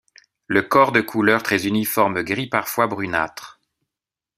Le corps de couleur très uniforme gris parfois brunâtre.